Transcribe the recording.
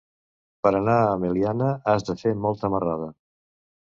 Per anar a Meliana has de fer molta marrada.